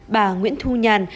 bà nguyễn thu nhàn